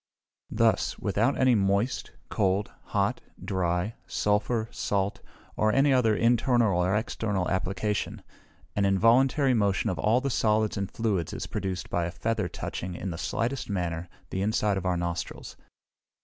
Thus, without any moist, cold, hot, dry, sulphur, salt, or any other internal or external application, an involuntary motion of all the solids and fluids is produced by a feather touching, in the slightest manner, the inside of our nostrils.